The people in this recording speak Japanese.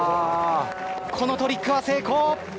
このトリックは成功。